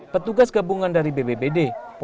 petugas gabungan dari bbbd